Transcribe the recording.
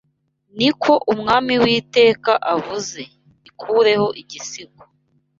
Ni ko Umwami Uwiteka avuze: ikureho igisingo